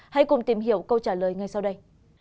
hãy cùng tìm hiểu câu trả lời ngay sau đây